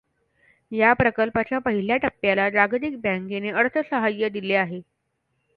या प्रकल्पाच्या पहिल्या टप्प्याला जागतिक बँकेने अर्थसहाय्य दिले आहे.